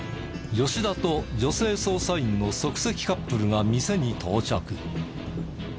吉田と女性捜査員の即席カップルが店に到着。